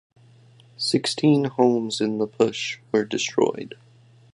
Sixteen homes in La Push were destroyed.